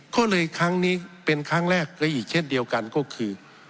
ก็เลยครั้งนี้เป็นครั้งแรกก็อีกเช่นเดียวกันก็คือ